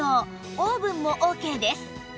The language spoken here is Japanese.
オーブンもオーケーです